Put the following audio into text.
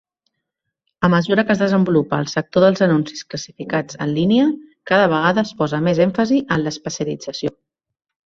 A mesura que es desenvolupa el sector dels anuncis classificats en línia, cada vegada es posa més èmfasi en l'especialització.